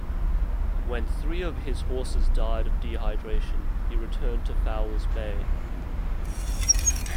When three of his horses died of dehydration, he returned to Fowler's Bay.